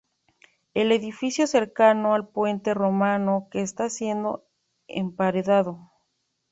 el edificio cercano al puente romano que está siendo emparedado